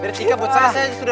dari tika buat saya saya sudah